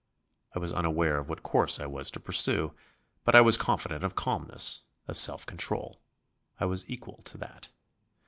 I was unaware of what course I was to pursue, but I was confident of calmness, of self control I was equal to that.